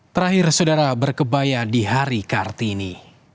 terakhir saudara berkebaya di hari kartini